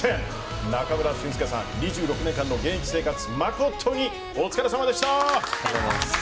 中村俊輔さん、２６年間の現役生活に幕を閉じお疲れさまでした。